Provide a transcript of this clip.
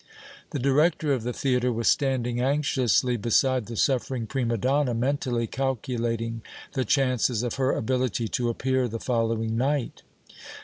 The director of the theatre was standing anxiously beside the suffering prima donna, mentally calculating the chances of her ability to appear the following night.